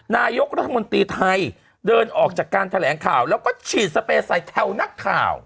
นายกรัฐมนตรีไทยเดินออกจากการแถลงข่าวแล้วก็ฉีดสเปย์ใส่แคลนักข่าว